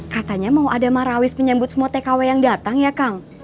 katanya mau ada marawis menyambut semua tkw yang datang ya kang